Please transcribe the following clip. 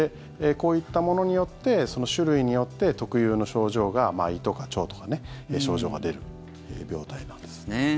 こういったものによってその種類によって特有の症状が、胃とか腸とか症状が出る病態なんです。